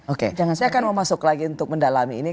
oke jangan saya akan mau masuk lagi untuk mendalami ini